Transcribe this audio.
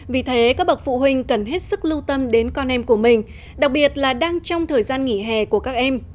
vì thế các bậc phụ huynh cần hết sức lưu tâm đến con em của mình đặc biệt là đang trong thời gian nghỉ hè của các em